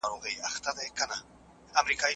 ورینرخ